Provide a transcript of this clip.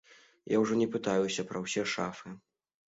Я ўжо не пытаюся пра ўсе шафы.